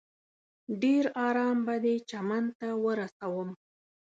ډېر ارام به دې چمن ته ورسوم.